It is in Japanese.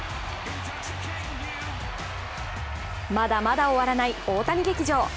まだまだ終わらない大谷劇場。